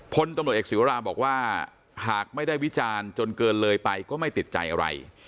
พลตำรวจเอกศิวราบอกว่าหากไม่ได้วิจารณ์จนเกินเลยไปก็ไม่ติดใจอะไร